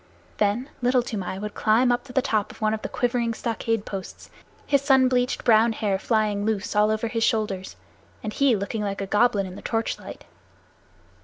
Then Little Toomai would climb up to the top of one of the quivering stockade posts, his sun bleached brown hair flying loose all over his shoulders, and he looking like a goblin in the torch light.